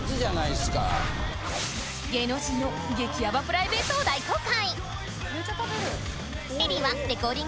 芸能人の激ヤバプライベートを大公開！